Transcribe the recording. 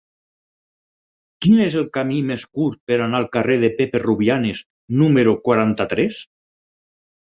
Quin és el camí més curt per anar al carrer de Pepe Rubianes número quaranta-tres?